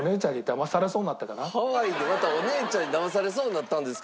ハワイでまたお姉ちゃんにだまされそうになったんですか？